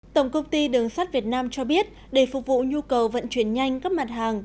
tổng công ty đường sắt việt nam cho biết để phục vụ nhu cầu vận chuyển nhanh các mặt hàng